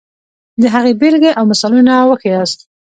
د هغې بېلګې او مثالونه وښیاست.